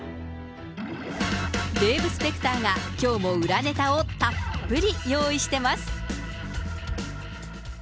デーブ・スペクターがきょうも裏ネタをたっぷり用意してます。